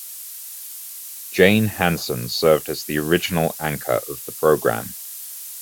Jane Hanson served as the original anchor of the program.